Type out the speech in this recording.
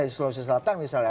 di sulawesi selatan misalnya